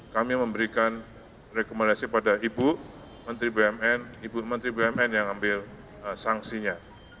kami memberikan rekomendasi pada ibu menteri bumn ibu menteri bumn yang ambil sanksinya